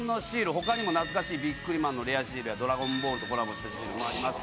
他にも懐かしい『ビックリマン』のレアシールや『ドラゴンボール』とコラボしたシールもあります。